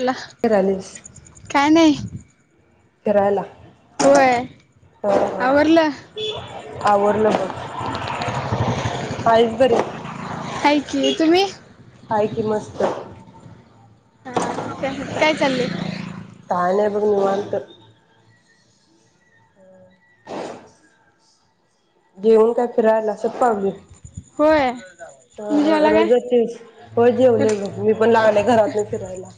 ला फिरालीस काय नाही. करायला. होय आवरल. आवरलं बघ आहेस बरी की तुम्ही आहे की मस्त. हा काय चालय? काय नाही बघ निवांत. जेऊन काय फिरायला आलासा शतपावली. होय तुम्ही ह जेवला काय रोजच जेव ज तर होयजेवलेम मी पण लागले घरात नाही फिरायला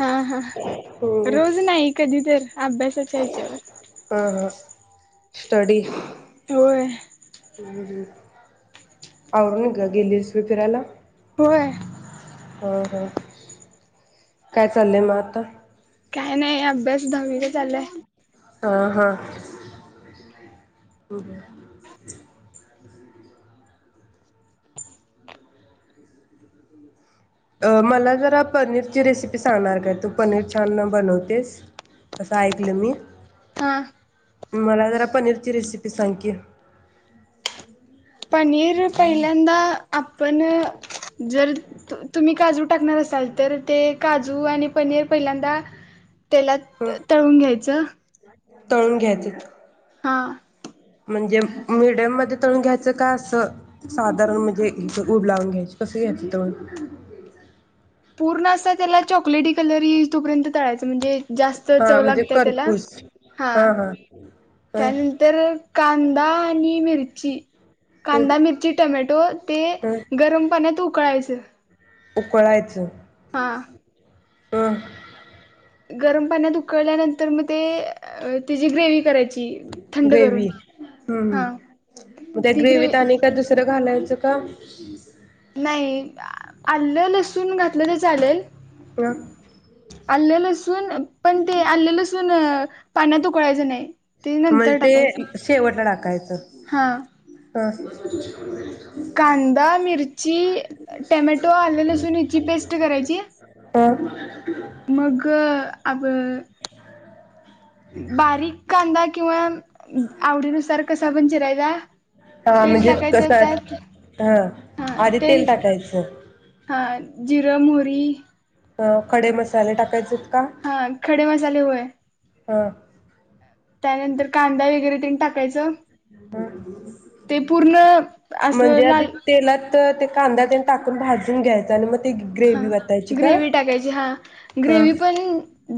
हा हा रोज नाही कधी तर अभ्यासाच्या ह्याच्यावर हा. स्टडी. होय आवरून गेलीस होय फिरायला. होय हा हा. काय चाललंय मग आता. काय नाही अभ्यास दहावी चालल्या. हा हा. मला जरा पनीरची रेसिपी सांगणार काय तू पनीर छान बनवतेस असं ऐकलं मी. हा. मला जरा पनीरची रेसिपी सांग की. पनीर पहिल्यांदा आपण जर तुम्ही काजू टाकणार असाल तर ते काजू आणि पनीर पहिल्यांदा तेलात हं तळून घ्यायचं. तळून घ्यायच. हा म्हणजे मीडियम मध्ये तळून घ्यायचं का असं साधारण म्हणजे उब लावून घ्यायच कसं घ्यायचं तळून. पूर्ण अस त्याला चॉकलेटी कलर येई तोपर्यंत तळायच म्हणजे जास्त हा चव म्हणजे लागत्या त्याला करपूस हा ह त्यानंतर कांदा आणि मिरची [unintelligible] कांदा मिरची टोमॅटो ते ह गरम पाण्यात उकळायचं. उकळायचं. हा. ह्. हा. गरम पाण्यात उकळल्यानंतर मग ते तेची ग्रेवी करायची. थंड करून. ग्रेवी हम हा हम् त्या ती ग्रे ग्रेवीत आणि काय दुसरं घालायचं - - का? नाही. आलं, लसूून घातलं तर चालेल. हं. आलं लसूण - पण ते आलं लसून - - पाण्यात उकळवायच नाही. ते नंतर म्हणजे टाकायचं ते शेवटला टाकायचं. हा. ह. ज [unintelligible] कांदा, मिरची, टोमॅटो, आले, लसून हेची पेस्ट करायची. ह. मग आब - - बारीक का - - कांदा किंवा आवडीनुसार कसा पण चिरायचा हा तेल म्हणजे टाकायचं कसं त्यात हा ह आधी तेल टाकायचं हा जिर मोहरी - - अ खडे मसाले टाकायचेत - - हा खडे मसाले होय. हा. त्यानंतर कांदा वगैरे तेन टाकायचं. ते पूर्ण असं म्हणजे आदी लाल तेलात ते - - कांदा तेन टाकून भाजून घ्यायचा आणि मग ती हा ग्रेव्ही वतायची का? ग्रेवी टाकायची हा हां. ग्रेवी पण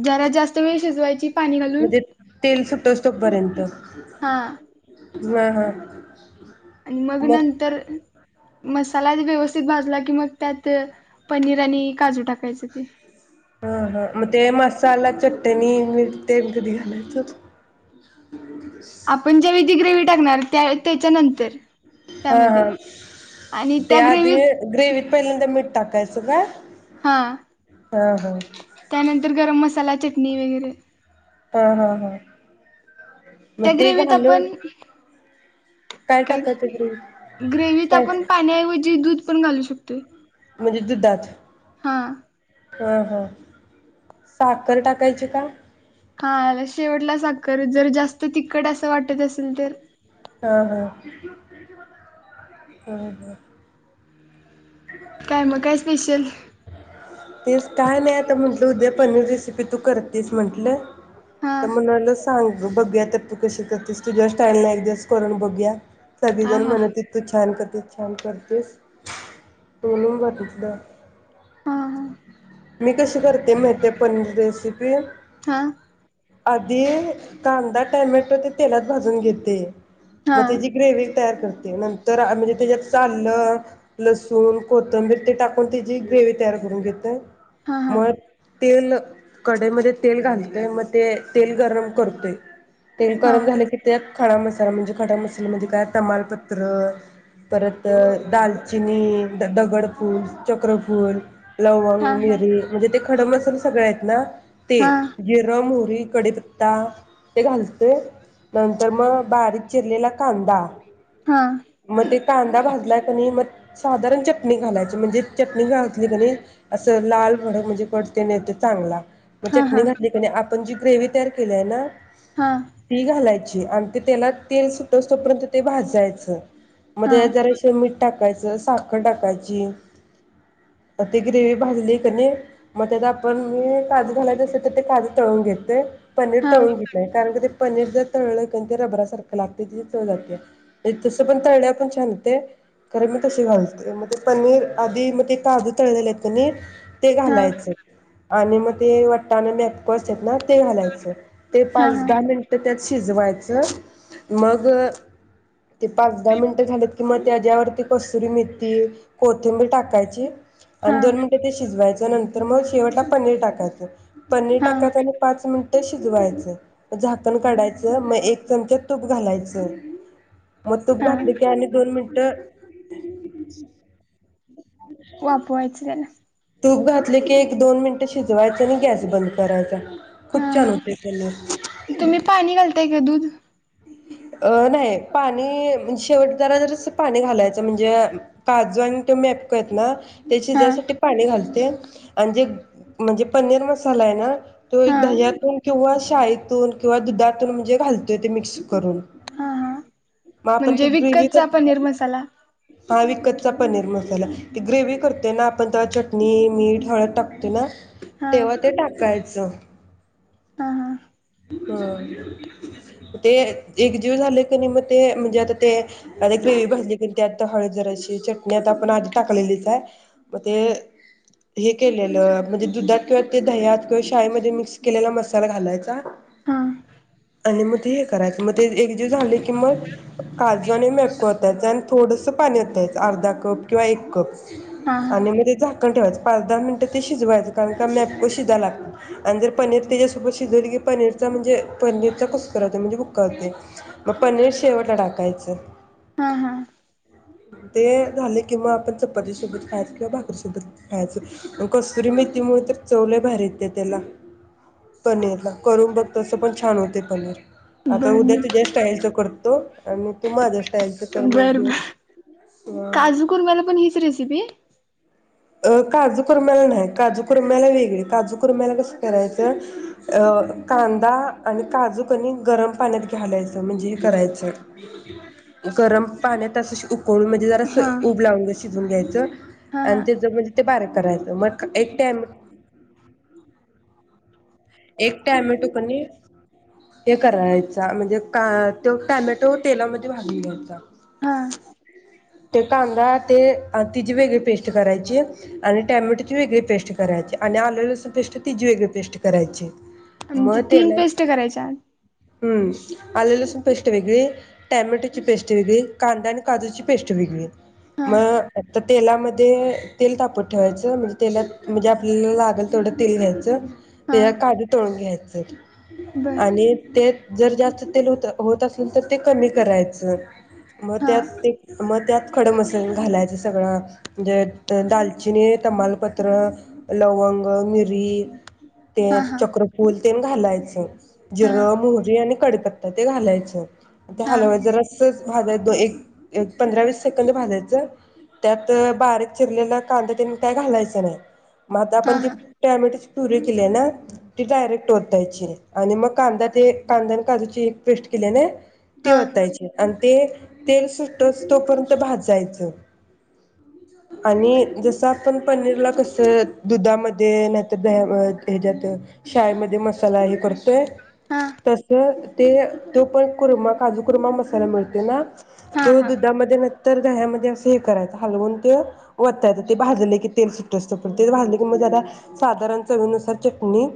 जरा जास्त - - त् वेळ शिजवायची. पाणी घालून म्हणजे तेल सुटस्तो पर्यंत. हा व ह. आणि मग नंतर मसाला व्यवस्थित भाजला की मग त्यात पनीर आणि काजू टाकायच ते. हा हा मग ते मसाला चटणी मिठं तेन कधी घालायच? आपण ज्यावेळी ती ग्रेवी - - टाकणार त्या त्याच्यानंतर - - हा हा ते त्या आधी ग्रेव्हीत ग्रेवीत पहिल्यांदा मीठ टाकाय - - च काय? हा त्यानंतर गरम मसाला - - चटणी वगैरे. हा हा हा. त्या ग्रेव्हीत आपण काय का टाकायचं ग्रेव्हीत? ग साय आपण पाण्याऐवजी दूध - - पण घालू शकतोय. म्हणजे दुधात. हा. ह साखर टाकायची का? हा याला शेवटला साखर जर जास्त तिखट असं वाटत असेल तर. हा हा. काय मग काय स्पेशल? तेच काय नाही आता म्हटलं उद्या पनीर रेसिपी तू करतेस म्हटलं. हा तर म्हणाल सांग. अ बघूया तर तू कशी करतेस तुज्या स्टाईल न एक दिवस करून बगूया. सगळी हा जण हा म्हणतीत तू छान करतेस. तू छान करतेस. टोनींग बघितलं. हा हा मी कशी करते माहिती आहे पनीर रेसिपी. हा. आधी कांदा टमॅटो ते तेलात भाजून घेते. हा मग त्याची ग्रेवी तयार करते. नंतर म्हणजे त्याच्यात आलं लसूण कोथंबीर ते टाकून त्याची ग्रेव्ही तयार करून घेते. हा हा म तेल कडई मध्ये तेल घालतोय मग ते तेल गरम करतोय. तेल हा गरम झाल की त्यात खडा मसाला म्हणजे खडा मसाल्यामध्ये काय तमालपत्र परत दालचिनी द दगडफूल चक्रफूल लवंग, हा हा मिरची म्हणजे ते खडम मसाले सगळे आहेत ना. ते हा जिरे, मोहोरी कडीपत्ता ते घालतय नंतर मग बारीक चिरलेला कांदा हा मग ते कांदा भाजलाय कनी मग साधारण चटणी घालायच म्हणजे चटणी घाातली क असं लाल म्हणजे कट ते न येत चांगला. मग हा चटणी हा घातली क आपण जी ग्रेवी तयार केली आहे ना. हा ती घालायच. आणि ते त्याला तेल सुटस तोपर्यंत ते भाजायचं. मधे ह्यात हा जरासे मीठ टाक. करायचं साखर टाकायची ते ग्रेवी भाजली कणी मग त्या आपण काजू घालायच असेल तर ते काजू तळून घेतोय. पनीर हा हा तळून हा घेतोय कारण का ते पनीर जर तळल क नइ ते रबरा सारखं लागतय त्याची चव जात्या, तसं पण तळल्या पण छान होतय, कारण मी तसे घालतोय म्हणजे पनीर आधी मग ते काजू तळलेले आहेत कणी ते घालायचं. आणि म ते वट्टान मॅपको असत्यात ना. ते घालायच ते पाच हा दहा मिनिट त्यात शिजवायचं मग ते पाच दहा मिनटं झालेत कि मग त्याच्यावरती कसुरी मेथी कोथिंबीर टाकायची. आणि हा दोन मिनटे ते शिजवायचे. त्या नंतर मग शेवटला पनीर टाकायचं. पनीर हा टाकात आणि पाच मिनिट तर शिजवायचं झाकण काढायचं मग एक चमचा तूप घालायचं. मग तूप हा घातली की आणि दोन मिनट [unintelligible] वाफवायच त्याला. तूप घातले की एक दोन मिनिटं शिजवायचं आणि गॅस बंद करायचा. हा खूप छान हा, होते पनीर तुम्ही पाणी घालताय का दूध. अ नाही पाणीे शेवट जरा जरास पाणी घालायचं म्हणजे काजू आणि ते मेपको आहेत ना. ते हा शिजायसाठी पाणी घालते. आणि जे म्हणजे पनीर मसाला आहे ना. तो हा दह्यातून किंवा साईतून किंवा दुधातून म्हणजे घालतोय ते मिक्स करून, हा हा म आपण ते म्हणजे ग्रेवी विकतचा पनीर मसाला [unintelligible] विकतचा पनीर मसाला. ती ग्रेवी करते ना आपण तर चटणी मीठ हळद टाकतोय ना. हा तेव्हा ते टाकायचं. ज. हा हा. ते एकजीव झाले कणी म ते म्हणजे आता ते ग्रेवी भाजली कणी मग त्यात हळद जराशी चटणी आता आपण आधी टाकलेलीच आहे म ते हे केलेलं म्हणजे दुधात किंवा ते दह्यात किंवा शाहीमध्ये मिक्स केलेला मसाला घालायचा. हा आणि म ते हे करायचं मग ते एकजीव झाले कि मग काजू आणि मेपको ओतायचं आणि थोडस पाणी ओतायचं अर्धा कप किंवा एक कप हा हा आणि मग ते झाकण ठेवायचं पाच दहा मिनिटं ते शिजवायचं कारण का मेपको शिजायलागत आणि जर पनीर त्याच्यासोबत शिजवली की पनीरचा म्हणजे पनीरचा कुस्कुरा होते म्हणजे बुका होते म पनीर शेवटला टाकायच. हा हा. ते झाले कि मग आपण चपाती सोबत खायच किंवा भाकरीसोबत खायचं कस्तुरी मेथीमुळे तर चव लय भारीे येत्या त्याला पनीरला. करून बघ तसं पण छान होते पनीर. आता बर उद्या मी तुझ्या स्टाईलच करतो. आणि तु माझ्या स्टा बर बर हा. काजू कुरम्याला पण हीच रेसिपी. अ काजू कुरम्याला नाही काजू कुरम्याला वेगळी काजू कुरम्याला कस करायच अ कांदा आणि काजू कनी गरम पाण्यात घालायच म्हणजे हे करायच गरम पाण्यात अस उकळून जरास हा उब लावून [unintelligible] घ्यायच हा आणि हा ते म्हणजे ते बारक करायच मग एक टॅम एक टॅमॅटो कनी हे करायचा, म्हणजे का तो टॅमॅटो तेलामध्ये भाजून घ्यायचा. हा. ते कांदा ते तिची वेगळी पेस्ट करायची आणि टॅमॅटोची वेगळी पेस्ट करायची आणि आल लसुण पेस्ट तिची वेगळी पेस्ट करायची. मग म्हणजे, तीन तेला पेस्ट करायच्या? हम्म, आल लसूण पेस्ट वेगळी, टॅमॅटोची पेस्ट वेगळी, कांदा आणि काजूची पेस्ट वेगळी. म. हा त्या तेलामध्ये तेल तापत ठेवायच म्हणजे तेलात म्हणजे आपल्याला लागल तेवढं तेल घ्यायचं. हां [unintelligible] काजू तळून घ्याय [inaudible] बर आणि ते जर जास्त तेल होत, होत असेल तर ते कमी करायचं. म हां त्यात ते म त्यात खडे मसाले घालायचं सगळं म्हजे दालचिनी, तमालपत्र, लवंग, मिरी ते हां हां चक्रफूल तेन घालायच. हां जिरं, मोहरी आणि कडेपत्ता ते घालायचं. ते हां हलव्याच, जरासच भाजाय, एक एक पंधरा वीस सेकंद भाजायचं. त्यात बारीक चिरलेला कांदा त्याने काय घालायचं नाय. म आता आपण हां ती हां हां टॅमॅटो ची पुरी [unintelligible] ती डायरेक्ट ओतायची आणि मग कांदा ते कांदा न काजूची पेस्ट केल्या न ती हां ओतायची [unintelligible] ते तेल सुटस तोपर्यंत भाजायचं आणि जस आपण पनीरला कस दुधामध्ये नायतर द ह्याच्यात शाळेमध्ये मसाला [unintelligible] करतोय. हां तस. ते तो पण कुरमा, काजू कुरमा मसाला मिळतोय ना? तो हां दुधामध्ये न तर दह्यामध्ये असं हे करायचं हलवून ते वतायचं ते भाजले की तेल सुटत सुटूस पर्यंत पण ते भाजले की जरा साधारण चवीनुसार चटणी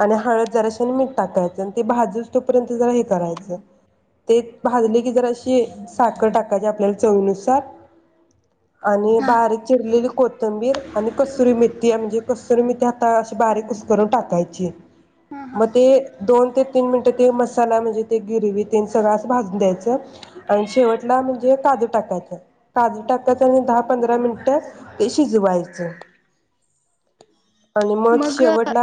आणि हळद जराशी मीठ टाकायचं आणि ते भाजूस तोपर्यंत जरा हे करायचं ते भाजले की जराशी साखर टाकायची आपल्याला चवीनुसार. आणि हां बारीक चिरलेली कोत कोथंबीर आणि कसुरी मेथी म्हणजे कसुरी मेथी हाता अशी बारीक कुस करून टाकायची. हां म हां ते दोन ते तीन मिन त ते मसाला म्हणजे ते गिरवी ते सगळं अस भाजून द्यायच आणि शेवटला म्हणजे काजू टाकायचा काजू टाकायचा आणि दहा पंधरा मिनिट ते शिजवायच. आणि मग शेवट [unintelligible]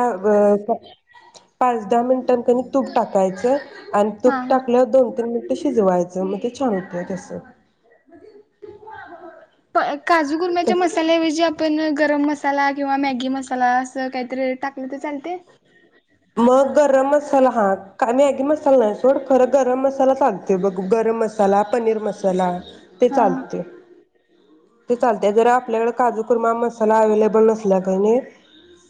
पाच दहा मिनटांन कणी तूप टाकायचं. आणि तूप हां हां टाकलं दोन तीन मिन शिजवायचं मग ते छान होत तस. [unintelligible] काजू कुरम्याच्या मसाल्याऐवजी आपण गरम मसाला किंवा मॅगी मसाला अस काहीतरी टाकलं तर चालतय. मग गरम मसाला हा का मॅगी मसाला नाही सोड. खरं गरम मसाला चालतोय बघ गरम मसाला पनीर मसाला ते हां चालतय. ते चालत जरा आपल्याकडे काजू कुरमा मसाला अवेलेबल नसल्या कणी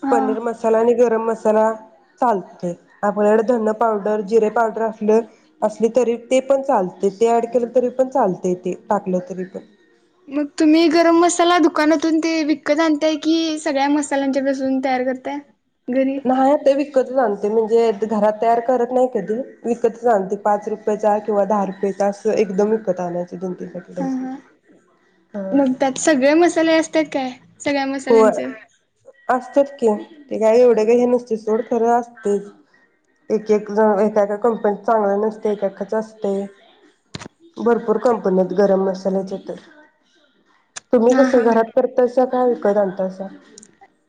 हां पनीर मसाला आणि गरम मसाला चालतय आपल्याडे धन पावडर, जिरे पावडर असले असली तरी ते पण चालतय ते ऍड केलं तरी पण चालतय ते टाकलं तरी पण मग तुम्ही गरम मसाला दुकानातून ते विकत आणताय की सगळ्या मसाल्यांच्यापासून तयार करताय. घरी नाही ते विकतच आणते म्हणजे ते घरात तयार करत नाही कधी विकतच आणते. पाच रुपयाचा किंवा दहा रुपयचा अस एकदम विकत [unintelligible] पॅकेट हा असं हा हा मग त्यात सगळे मसाले असतात काय. सगळ्या हो मसाल्यांचे असत्यात की. ते काय एवढे काही हे नसतय सोड खर असतयच एक एक जण एका एका कंपनीत चांगलं नसतय एका एकाच असतय भरपूर कंपनीत गरम मसाल्याचे तर तुम्ही हां कसं हां घरात करता? सकाळ कार आणतायसा.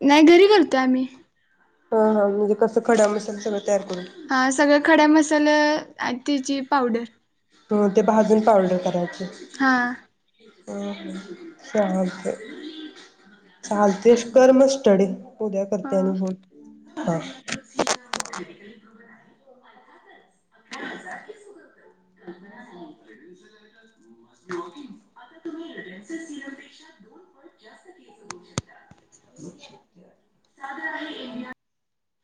नाही घरी करतोय आम्ही. हा हा म्हणजे कसं खड्या मसाल्या हा सगळ खड्या मसाल्या आन त्याची पावडर ते भाजून पावडर करायच. हा हा चालतय चालतय कर मग स्टडी. उद्या करते हा आणि फोन हा. [unintelligible] हो. [inaudible] [inaudible]